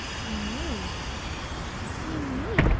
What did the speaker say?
"Seein' you." "Seeing me!